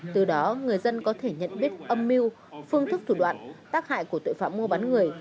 từ đó người dân có thể nhận biết âm mưu phương thức thủ đoạn tác hại của tội phạm mua bán người